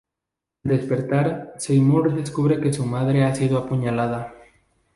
Al despertar, Seymour descubre que su madre ha sido apuñalada.